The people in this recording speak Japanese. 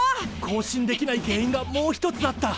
交信できない原因がもう一つあった。